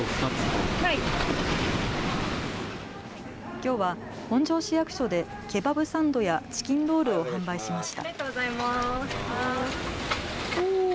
きょうは本庄市役所でケバブサンドやチキンロールを販売しました。